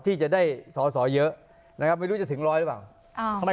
ที่จะได้สอสอเยอะนะครับไม่รู้จะถึงร้อยหรือเปล่า